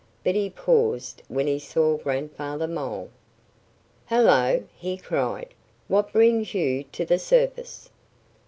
But he paused when he saw Grandfather Mole. "Hello!" he cried. "What brings you to the surface?"